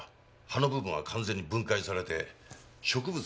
葉の部分は完全に分解されて植物